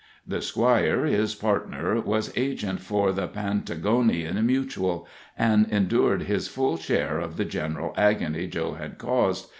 The Squire, his partner, was agent for the Pantagonian Mutual, and endured his full share of the general agony Joe had caused.